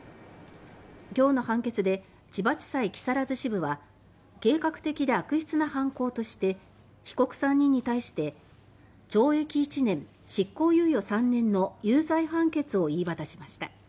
今日の判決で千葉地裁木更津支部は「計画的で悪質な犯行」として被告３人に対して懲役１年、執行猶予３年の有罪判決を言い渡しました。